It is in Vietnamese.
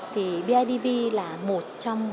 thì bidv là một trong